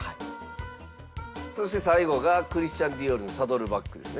そして最後がクリスチャン・ディオールのサドルバッグですね。